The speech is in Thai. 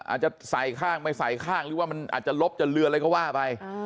อาจจะใส่ข้างไม่ใส่ข้างหรือว่ามันอาจจะลบจะเรืออะไรก็ว่าไป